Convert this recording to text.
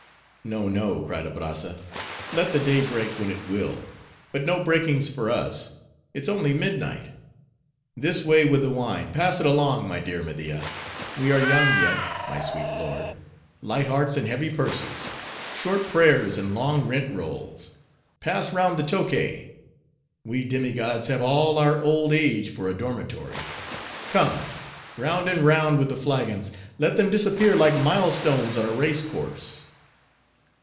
"No, no!", cried Abrazza; "let the day break when it will: but no breakings for us. It's only midnight. This way with the wine; pass it along, my dear Media. We are young yet, my sweet lord; light hearts and heavy purses; short prayers and long rent rolls. Pass round the Tokay! We demi gods have all our old age for a dormitory. Come!—Round and round with the flagons! Let them disappear like mile stones on a race course!"